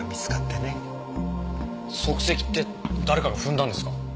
足跡って誰かが踏んだんですか？